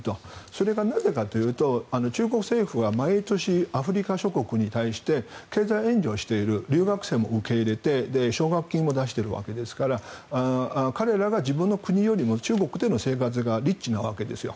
それはなぜかというと中国政府は毎年、アフリカ諸国に対して経済援助をしている留学生も受け入れて奨学金も出しているわけですから彼らは自分の国よりも中国での生活がリッチなわけですよ。